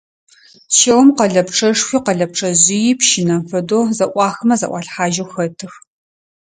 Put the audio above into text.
Чэум къэлэпчъэшхуи, къэлэпчъэжъыйи пщынэм фэдэу зэӀуахымэ зэӀуалъхьажьэу хэтых.